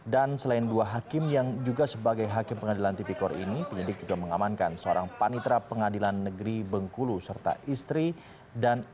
dan selain dua hakim yang juga sebagai hakim pengadilan tipikor ini penyidik juga mengamankan seorang panitra pengadilan negeri bengkulu serta istri dan istri